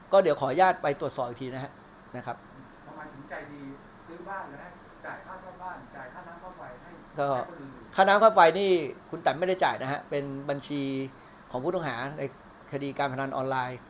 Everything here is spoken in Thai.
ก็เดี๋ยวขออนุญาตไปตรวจสอบอีกทีนะครับค่าน้ำเข้าไปคุณแต่มไม่ได้จ่ายนะครับเป็นบัญชีของผู้ต้องหาในคดีการพนันออนไลน์